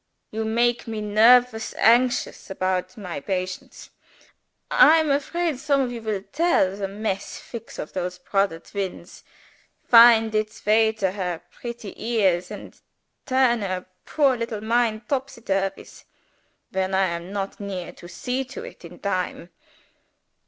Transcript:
You make me nervous anxious about my patients. I am afraid some of you will let the mess fix of those brodder twins find its way to her pretty ears, and turn her poor little mind topsy turvies when I am not near to see to it in time.